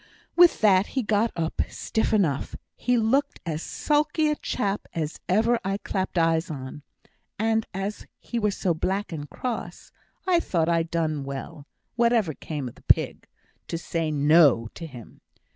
With that he got up, stiff enough. He looked as sulky a chap as ever I clapped eyes on. And as he were so black and cross, I thought I'd done well (whatever came of the pig) to say 'No' to him.